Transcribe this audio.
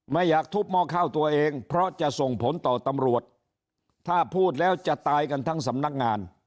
ไม่อยากทุบหม้อข้าวตัวเองเพราะจะส่งผลต่อตำรวจถ้าพูดแล้วจะตายกันทั้งสำนักงาน